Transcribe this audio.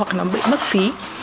hoặc là nó bị mất phí